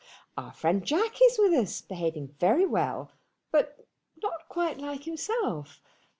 "Our friend Jack is with us, behaving very well, but not quite like himself.